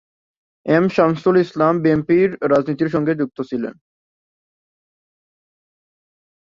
M Shamsul Islam বিএনপির রাজনীতির সঙ্গে যুক্ত ছিলেন।